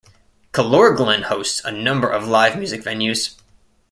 Killorglin host a number of live music venues.